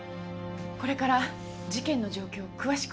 これから事件の状況を詳しく話します。